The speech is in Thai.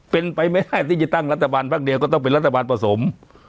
เป็นไปไม่ได้ที่จะตั้งรัฐบาลพักเดียวก็ต้องเป็นรัฐบาลผสม